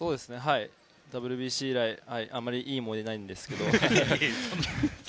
ＷＢＣ以来、あまりいい思い出がないんですが。